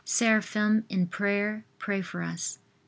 seraphim in prayer, pray for us.